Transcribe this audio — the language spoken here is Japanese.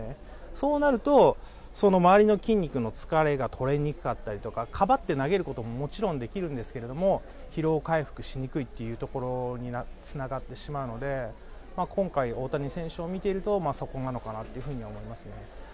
そうなると、その周りの筋肉の疲れが取れにくかったりとか、かばって投げることももちろんできるんですけれども、疲労回復しにくいっていうところにつながってしまうので、今回、大谷選手を見ていると、そこなのかなっていうふうには思いますね。